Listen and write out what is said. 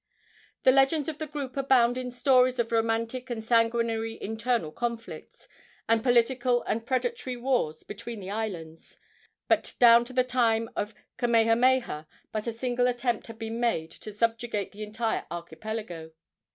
The legends of the group abound in stories of romantic and sanguinary internal conflicts, and political and predatory wars between the islands; but down to the time of Kamehameha but a single attempt had been made to subjugate the entire archipelago.